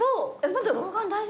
まだ老眼大丈夫？